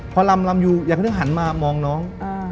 พอรำอยู่อย่างนึงหันมามองน้อง